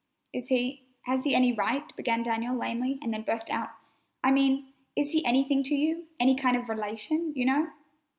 "Is he—has he any right?" began Daniel lamely and then burst out: "I mean, is he anything to you—any kind of relation, you know?"